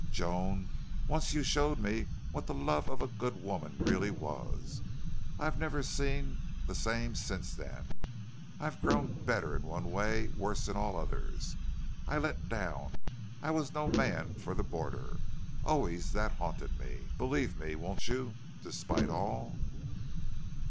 "Joan, once you showed me what the love of a good woman really was. I've never seen the same since then. I've grown better in one way worse in all others.... I let down. I was no man for the border. Always that haunted me. Believe me, won't you despite all?"